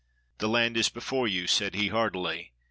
''The land is before you," said he heartily.